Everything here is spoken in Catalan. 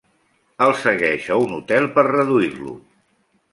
El segueix a un hotel per reduir-lo.